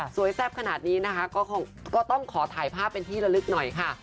แซ่บขนาดนี้นะคะก็ต้องขอถ่ายภาพเป็นที่ละลึกหน่อยค่ะ